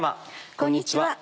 こんにちは。